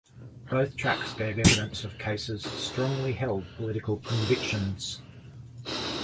Both tracks gave evidence of Case's strongly held political convictions.